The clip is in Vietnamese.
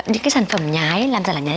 những cái sản phẩm nhái làm giả là nhái